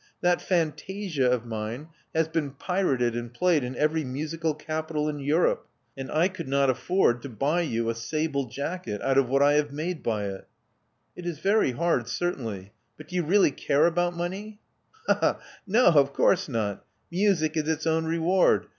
That fantasia of mine has been pirated and played in every musical capital in Europe ; and I could not afford to buy you a sable jacket out of what I hav6 made by it." *'It is very hard, certainly. But do you really care about money?" *'Ha! ha! No, of course not. Music is its own reward.